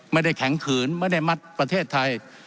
ไม่ได้แข็งขืนไม่ได้มัดประเทศไทย